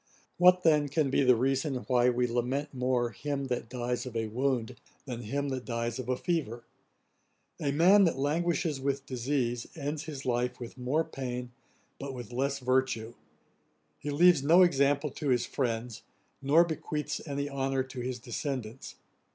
What then can be the reason why we lament more him that dies of a wound, than him that dies of a fever? A man that languishes with disease, ends his life with more pain, but with less virtue; he leaves no example to his friends, nor bequeaths any honour to his descendants.